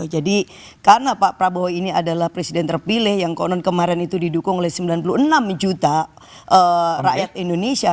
jadi karena pak prabowo ini adalah presiden terpilih yang konon kemarin itu didukung oleh sembilan puluh enam juta rakyat indonesia